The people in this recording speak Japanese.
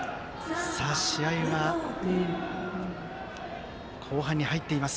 試合は後半に入っています。